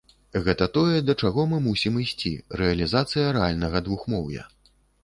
Гэта тое, да чаго мы мусім ісці, рэалізацыя рэальнага двухмоўя.